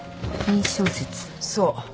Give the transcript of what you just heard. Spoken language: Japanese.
そう。